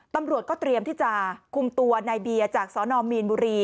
ตำรวจก็เตรียมที่จะคุมตัวในเบียร์จากสนมีนบุรี